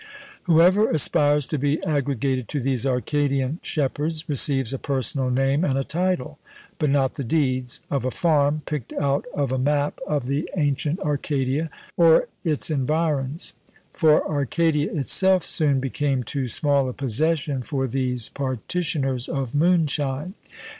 Whoever aspires to be aggregated to these Arcadian shepherds receives a personal name and a title, but not the deeds, of a farm, picked out of a map of the ancient Arcadia or its environs; for Arcadia itself soon became too small a possession for these partitioners of moon shine.